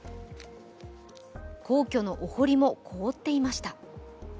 皇居のお堀も凍っていました。